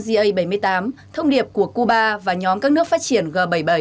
cả nền sẽ mang tới unga bảy mươi tám thông điệp của cuba và nhóm các nước phát triển g bảy mươi bảy